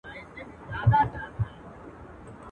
نن یو امر او فرمان صادرومه.